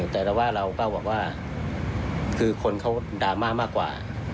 แต่ว่าเราก็บอกว่าคือคนเขาดราม่ามากกว่า